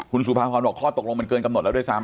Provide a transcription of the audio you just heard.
คุณสุภาพรบอกข้อตกลงมันเกินกำหนดแล้วด้วยซ้ำ